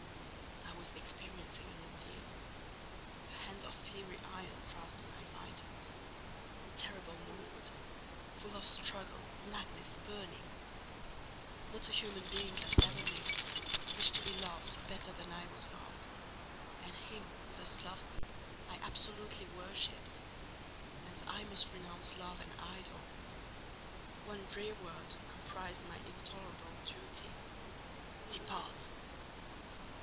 I was experiencing an ordeal: a hand of fiery iron grasped my vitals. Terrible moment: full of struggle, blackness, burning! Not a human being that ever lived could wish to be loved better than I was loved; and him who thus loved me I absolutely worshipped: and I must renounce love and idol. One drear word comprised my intolerable duty—"Depart!"